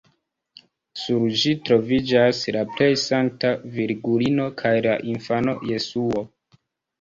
Sur ĝi troviĝas la plej Sankta Virgulino kaj la infano Jesuo.